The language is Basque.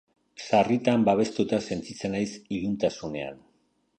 Sarritan babestuta sentitzen naiz iluntasunean.